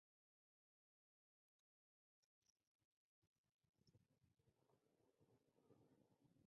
Él influencia a los espectadores para que no vean algo, auto cumpliendo su profecía.